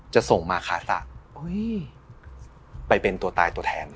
จะส่งมาขาสะไปเป็นตัวตายตัวแทน